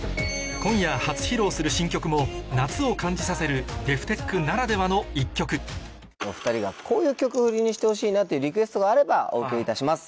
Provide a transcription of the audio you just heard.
今夜初披露する新曲も夏を感じさせるＤｅｆＴｅｃｈならではの一曲お２人がこういう曲フリにしてほしいなっていうリクエストがあればお受けいたします。